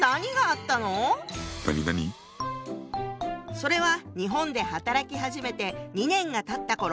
それは日本で働き始めて２年がたったころ。